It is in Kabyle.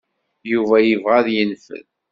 Yuba yebɣa ad yenfel.